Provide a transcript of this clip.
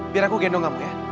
biar aku gendong kamu ya